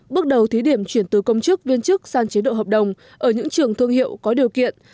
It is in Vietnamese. bước đầu thí điểm chuyển từ công chức viên chức sang chế độ hợp đồng ở những trường thương hiệu có điều kiện